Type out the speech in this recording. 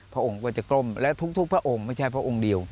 พระองค์ก็จะกล้มและทุกพระองค์ไม่ใช่พระองค์เดียว